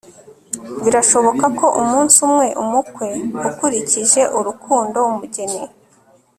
Birashoboka ko umunsi umwe umukwe ukurikije urukundo umugeni